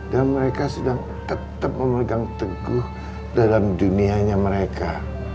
dan mereka sedang tetap memegang teguh dalam dunianya mereka